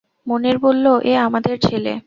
মুনির বলল, এ আমাদের ছেলে।